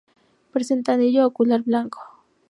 Presenta anillo ocular blanco.